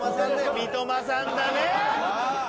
三笘さんだね！